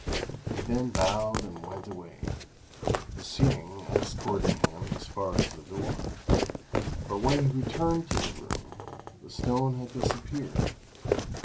He then bowed and went away, Hsing escorting him as far as the door; but when he returned to the room, the stone had disappeared.